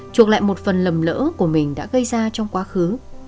chuộc lại một phần lầm lỡ của mình đã gây ra trong quá khứ